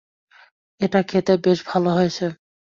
এটা খেতে বেশ ভালো হয়েছে!